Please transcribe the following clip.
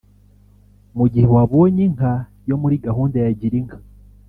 mu gihe wabonye inka yo muri gahunda ya Girinka